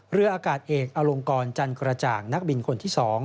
เรืออากาศเอกอลงกรจันกระจ่างนักบินคนที่๒